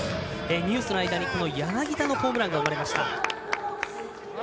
ニュースの間に柳田にホームランが生まれました。